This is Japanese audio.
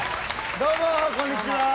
どうもこんにちは。